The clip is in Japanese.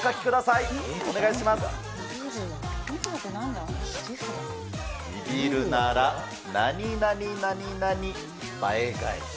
いびるなら、なになになになに倍返し。